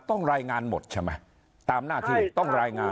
ต้องรายงานหมดใช่ไหมตามหน้าที่ต้องรายงาน